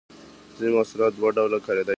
ځینې محصولات دوه ډوله کاریدای شي.